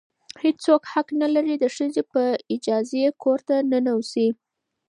هیڅ څوک حق نه لري د ښځې په اجازې کور ته دننه شي.